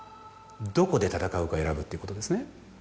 どこで戦うかを選ぶっていうことですね。